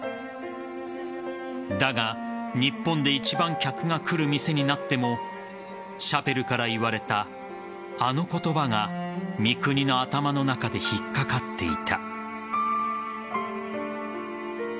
だが、日本で一番客が来る店になってもシャペルから言われたあの言葉が三國の頭の中で引っかかっていた。